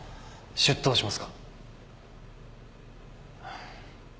出頭しますか？